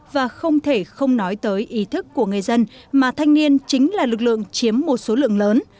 và không thể không nói tới ý thức của người dân mà thanh niên chính là lực lượng chiếm một số lượng lớn